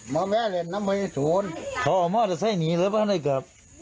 มหาฐานติดต่อมามามีภาพที่สุด